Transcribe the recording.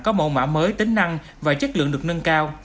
có mẫu mã mới tính năng và chất lượng được nâng cao